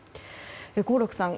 合六さん